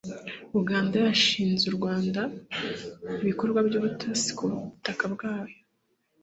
uganda yashinje u rwanda ibikorwa by'ubutasi ku butaka bwayo